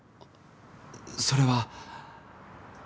それは？